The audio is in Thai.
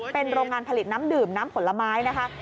เป็นโรงงานผลิตน้ำดื่มน้ำผลไม้นะคะ